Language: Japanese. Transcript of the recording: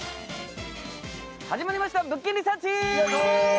始まりました「物件リサーチ」。